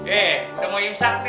eh udah mau imsak nih